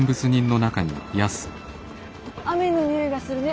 雨の匂いがするね。